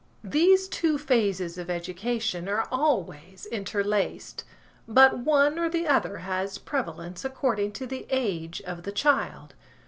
These two phases of education are always interlaced, but one or the other has prevalence according to the age of the child.